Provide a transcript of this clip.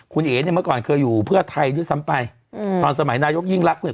คุณเอ๋เนี่ยเมื่อก่อนเคยอยู่เพื่อไทยด้วยซ้ำไปอืมตอนสมัยนายกยิ่งรักเนี่ย